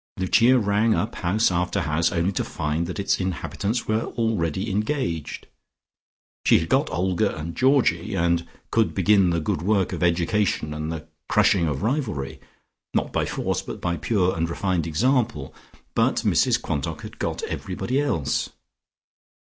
Lucia rang up house after house, only to find that its inhabitants were already engaged. She had got Olga and Georgie, and could begin the good work of education and the crushing of rivalry, not by force but by pure and refined example, but Mrs Quantock had got everybody else.